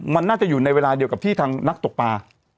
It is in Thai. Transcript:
มันน่าจะอยู่ในเวลาเดียวกับที่ทางนักตกปลา